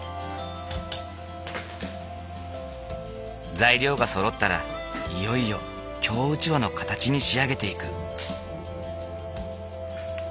材料がそろったらいよいよ京うちわの形に仕上げていく。